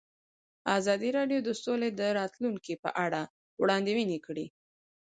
ازادي راډیو د سوله د راتلونکې په اړه وړاندوینې کړې.